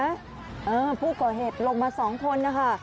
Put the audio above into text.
เออผู้ก่อเหตุลงมาสองคนนะคะ